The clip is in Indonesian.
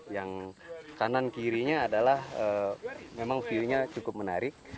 yang kanan kirinya adalah memang view nya cukup menarik